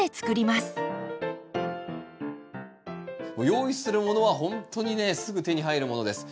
用意するものはほんとにねすぐ手に入るものです。